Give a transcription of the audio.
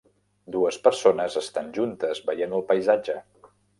Dues persones estan juntes veient el paisatge.